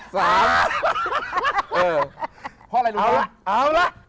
เพราะอะไรลูกพ่อ